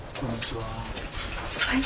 はい？